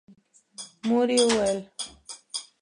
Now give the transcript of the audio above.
مور يې وويل: